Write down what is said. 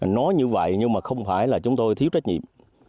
nói như vậy nhưng mà không phải là chúng tôi thiếu trách nhiệm